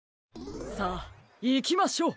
さあいきましょう！